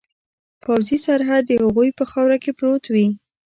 پوځي سرحد د هغوی په خاوره کې پروت وي.